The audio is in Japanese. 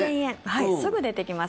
はい、すぐ出てきます。